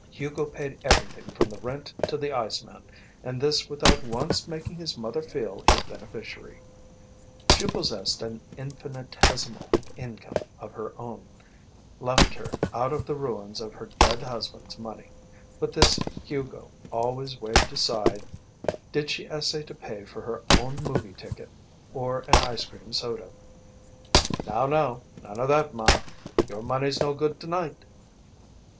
Hugo paid everything from the rent to the iceman, and this without once making his mother feel a beneficiary. She possessed an infinitesimal income of her own, left her out of the ruins of her dead husband's money, but this Hugo always waved aside did she essay to pay for her own movie ticket or an ice cream soda. "Now, now! None of that, Ma. Your money's no good to night."